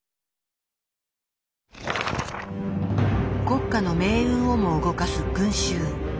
国家の命運をも動かす群衆。